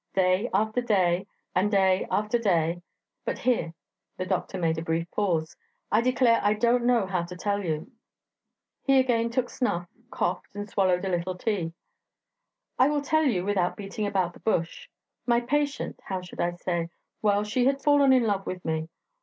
Day after day, and day after day ... but ... here..." (The doctor made a brief pause.) "I declare I don't know how to tell you."... (He again took snuff, coughed, and swallowed a little tea.) "I will tell you without beating about the bush. My patient ... how should I say?... Well she had fallen in love with me